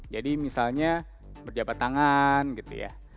jadi misalnya berjabat tangan gitu ya